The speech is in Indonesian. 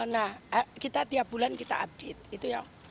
nah kita tiap bulan kita update